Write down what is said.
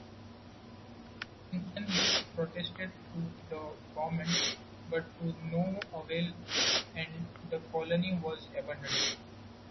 Winstanley protested to the government, but to no avail, and the colony was abandoned.